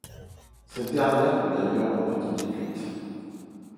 Cette dernière peut d'ailleurs en être déduite.